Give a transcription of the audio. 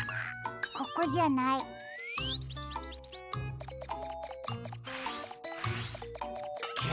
ここじゃない。